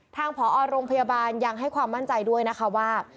ทางผอโรงพยาบาลยังให้ความมั่นใจด้วยนะคะว่า